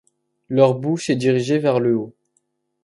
Leur bouche est dirigée vers le haut.